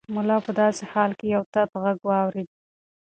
ملا په داسې حال کې یو تت غږ واورېد.